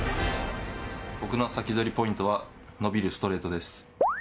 僕のサキドリポイントは伸びるストレートです。